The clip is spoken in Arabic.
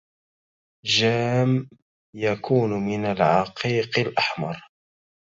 جام يكون من العقيق الأحمر